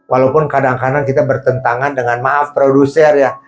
walaupun kadang kadang kita bertentangan dengan maaf produser ya